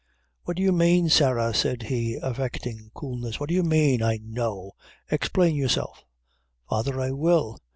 "What do you mane, Sarah?" said he, affecting coolness; "What do you mane? I know! Explain yourself." "Father, I will.